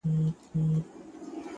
د وطن گل بوټي و نه مري له تندې’